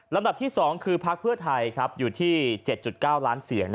ลำดับที่๒คือพักเพื่อไทยอยู่ที่๗๙ล้านเสียง